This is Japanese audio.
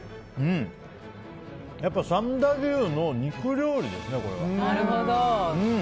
やっぱ三田牛の肉料理ですね、これは。